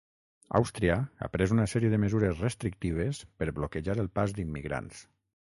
Àustria ha pres una sèrie de mesures restrictives per bloquejar el pas d’immigrants.